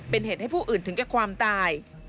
เป็นเหตุให้ผู้อื่นถึงแก่ความตาย